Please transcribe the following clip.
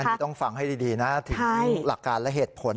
อันนี้ต้องฟังให้ดีนะถึงหลักการและเหตุผล